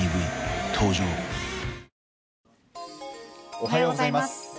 おはようございます。